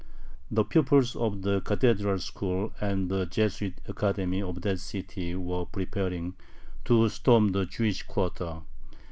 The pupils of the Cathedral school and the Jesuit Academy of that city were preparing to storm the Jewish quarter.